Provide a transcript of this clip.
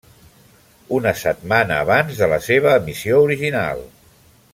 Una setmana abans de la seva emissió original.